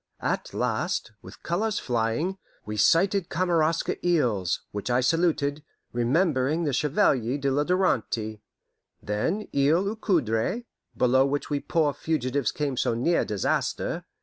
At last, with colours flying, we sighted Kamaraska Isles, which I saluted, remembering the Chevalier de la Darante; then Isle aux Coudres, below which we poor fugitives came so near disaster.